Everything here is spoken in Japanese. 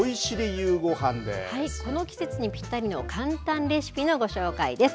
ゆこの季節にぴったりの簡単レシピのご紹介です。